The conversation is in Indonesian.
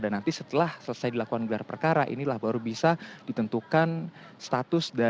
dan nanti setelah selesai dilakukan gelar perkara inilah baru bisa ditentukan status dari rizik sihab